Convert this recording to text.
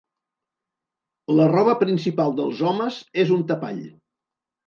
La roba principal dels homes és un tapall.